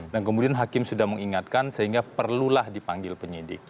dan kemudian hakim sudah mengingatkan sehingga perlulah dipanggil penyidik